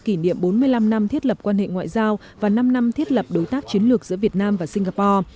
bộ trưởng ngoại giao singapore đã kỷ niệm bốn mươi năm năm thiết lập quan hệ ngoại giao và năm năm thiết lập đối tác chiến lược giữa việt nam và singapore